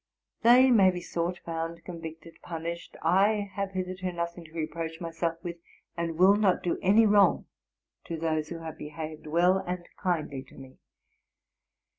They may be sought, found, convicted, punished : I have hitherto nothing to reproach myself with, and will not do any wrong to those who have behaved well and kindly to me.